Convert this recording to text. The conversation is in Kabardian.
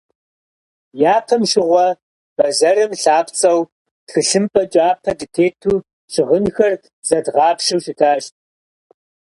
Япэм щыгъуэ бэзэрым лъапцӏэу тхылъымпӏэ кӏапэ дытету щыгъынхэр зэдгъапщэу щытащ.